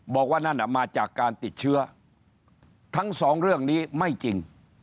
บอกว่านั่นมาจากการติดเชื้อทั้งสองเรื่องนี้ไม่จริง